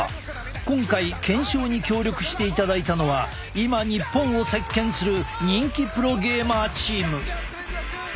今回検証に協力していただいたのは今日本を席けんする人気プロゲーマーチーム。